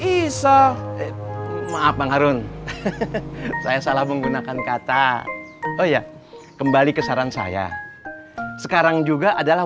iso maaf bang harun saya salah menggunakan kata oh ya kembali ke saran saya sekarang juga adalah